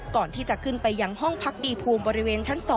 ก่อนที่จะขึ้นไปยังห้องพักดีภูมิบริเวณชั้น๒